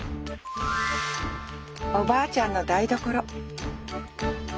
おばあちゃんの台所